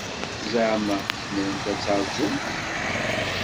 Zeɛma tzemremt ad taṛǧumt?